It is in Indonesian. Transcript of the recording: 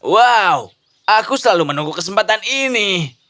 wow aku selalu menunggu kesempatan ini